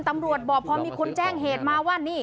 ตำรวจบอกพอมีคนแจ้งเหตุมาว่านี่